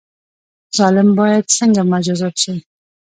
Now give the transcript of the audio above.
ظالم باید څنګه مجازات شي؟